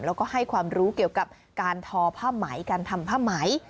แล้วก็ให้ความรู้เกี่ยวกับการทอผ้าไหมการทำผ้าไหม